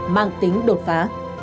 mang tính đột phá